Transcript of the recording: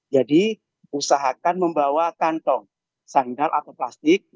jadi usahakan membawa kantong sandal atau pilihan